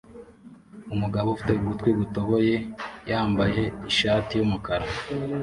umugabo ufite ugutwi gutoboye yambaye ishati yumukara